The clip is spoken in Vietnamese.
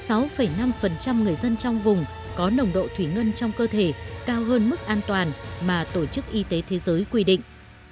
điều quan trọng là bảy mươi sáu năm người dân trong vùng có nồng độ thủy ngân trong cơ thể cao hơn mức an toàn mà tổ chức y tế thế giới quy định